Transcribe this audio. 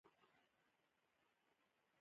د کولمو د غږونو لپاره د بادیان عرق وڅښئ